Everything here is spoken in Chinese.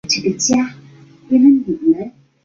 行政中心位于阿姆施泰滕。